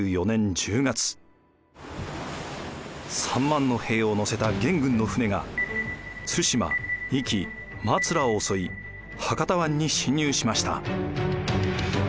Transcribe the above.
３万の兵を乗せた元軍の船が対馬壱岐松浦を襲い博多湾に侵入しました。